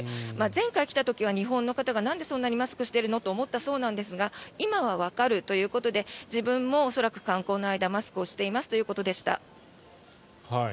前回来た時は日本の方がなんでそんなにマスクをしているのと思ったそうなんですが今はわかるということで自分も恐らく観光の間、マスクをしていますということでした。